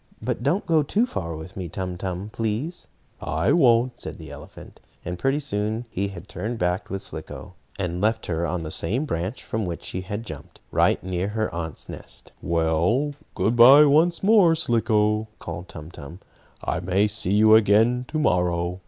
"But don't go too far with me, Tum Tum, please." "I won't," the elephant said. And pretty soon he turned back with Slicko, and left her on the same branch from which she had jumped right near her aunt's nest. "Well, good bye once more, Slicko," called Tum Tum. "I may see you again to morrow.